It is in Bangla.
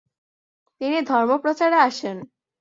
তিনি ধর্মপ্রচারে আসেন।